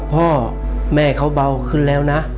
พ่อแม่เขาเบาขึ้นแล้วนะ